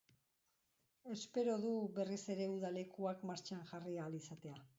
Espero du berriz ere udalekuak martxan jarri ahal izatea.